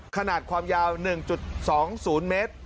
ขนาดความยาว๑๒๐เมตร